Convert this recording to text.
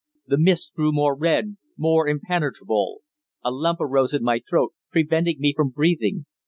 The mist grew more red, more impenetrable. A lump arose in my throat, preventing me from breathing.